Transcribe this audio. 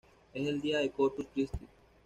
Es el día de Corpus Cristi.